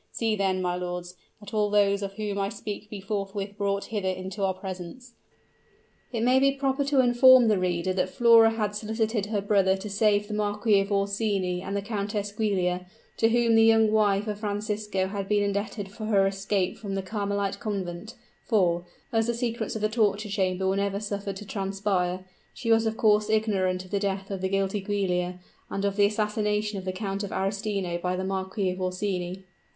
See then, my lords, that all those of whom I speak be forthwith brought hither into our presence!" It may be proper to inform the reader that Flora had solicited her brother to save the Marquis of Orsini and the Countess Giulia, to whom the young wife of Francisco had been indebted for her escape from the Carmelite Convent; for, as the secrets of the torture chamber were never suffered to transpire, she was of course ignorant of the death of the guilty Giulia, and of the assassination of the Count of Arestino by the Marquis of Orsini.